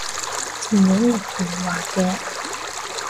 電影入面話嘅